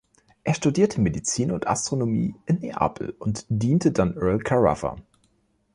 Er studierte Medizin und Astronomie in Neapel und diente dann Earl Carafa.